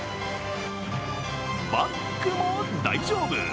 バックも大丈夫。